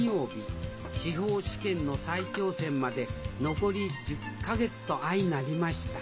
司法試験の再挑戦まで残り１０か月と相成りました